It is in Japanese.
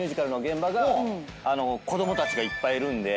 子供たちがいっぱいいるんで。